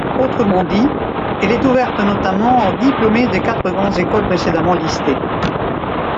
Autrement dit, elle est ouverte notamment aux diplômés des quatre grandes écoles précédemment listées.